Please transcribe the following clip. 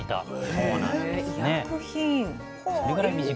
そうなんです。